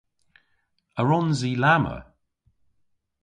A wrons i lamma?